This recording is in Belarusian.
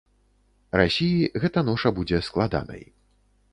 Расіі гэта ноша будзе складанай.